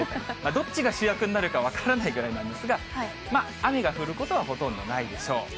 どっちが主役になるか分からないぐらいなんですが、雨が降ることはほとんどないでしょう。